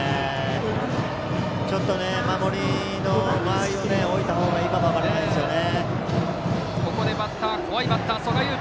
ちょっと守りの間合いを置いた方がいいかも分からないですね。